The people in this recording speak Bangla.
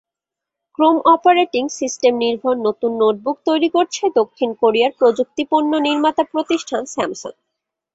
ক্রোম অপারেটিং সিস্টেমনির্ভর নতুন নোটবুক তৈরি করছে দক্ষিণ কোরিয়ার প্রযুক্তিপণ্য নির্মাতা প্রতিষ্ঠান স্যামসাং।